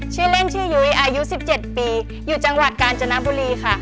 ชื่อเล่นชื่อยุ้ยอายุ๑๗ปีอยู่จังหวัดกาญจนบุรีค่ะ